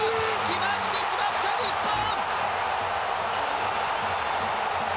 決まってしまった日本！